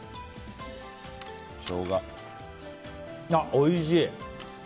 おいしい！